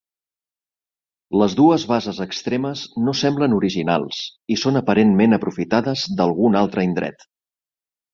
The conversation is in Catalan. Les dues bases extremes no semblen originals i són aparentment aprofitades d'algun altre indret.